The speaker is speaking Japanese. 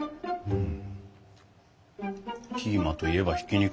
うん？